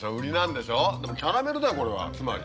でもキャラメルだよこれはつまり。